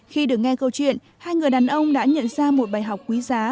khi được nghe câu chuyện hai người đàn ông đã nhận ra một bài học quý giá